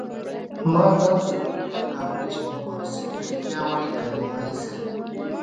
ما له ځان سره فکر کاوه چې محسن رښتيا وايي که نعماني صاحب.